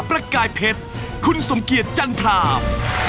ประกายเพชรคุณสมเกียจจันทราม